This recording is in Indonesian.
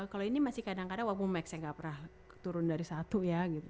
kalo ini masih kadang kadang walaupun maxnya enggak pernah turun dari satu ya gitu